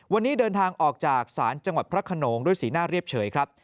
วันนี้เดินทางออกจากศาลจังหวัดพระขนงด้วยสีหน้าเรียบเฉยครับ